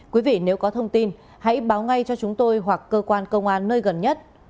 quý vị nếu có thông tin hãy báo ngay cho chúng tôi hoặc cơ quan công an nơi gần nhất